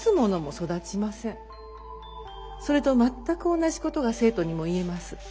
それと全く同じことが生徒にも言えます。